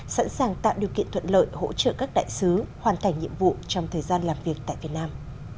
sẵn sàng tạo điều kiện thuận lợi hỗ trợ các đại sứ hoàn thành nhiệm vụ trong thời gian làm việc tại việt nam